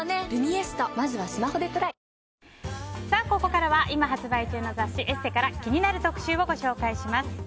ここからは今発売中の雑誌「ＥＳＳＥ」から気になる特集をご紹介します。